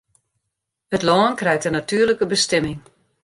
It lân krijt in natuerlike bestimming.